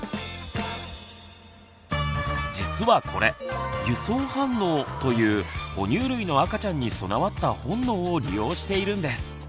実はこれ輸送反応という哺乳類の赤ちゃんに備わった本能を利用しているんです。